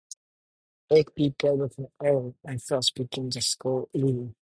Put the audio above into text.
Hayk beat Bel with an arrow, and thus became the sole leader.